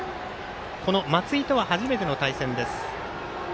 松井とは初めての対戦です。